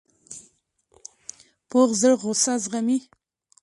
پوخ زړه غصه زغمي